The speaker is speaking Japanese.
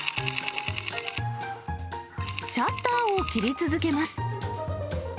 シャッターを切り続けます。